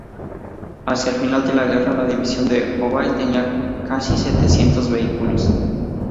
Hacia el final de la guerra la división de Hobart tenía casi setecientos vehículos.